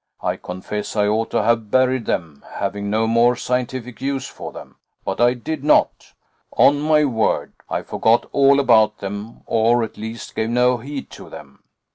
I confess I ought to have buried them, having no more scientific use for them, but I did not on my word, I forgot all about them, or, at least, gave no heed to them.